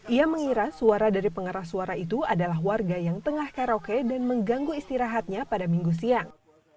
ia mengira suara dari pengeras suara itu adalah warga yang tengah karaoke dan mengganggu istirahatnya pada minggu siang